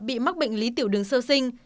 bị mắc bệnh lý tiểu đường sơ sinh